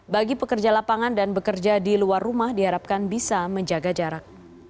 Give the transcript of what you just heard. bagi pekerja lapangan dan bekerja di luar rumah diharapkan bisa menjaga jarak